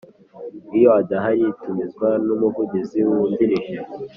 Iyo adahari itumizwa n umuvugizi wungirije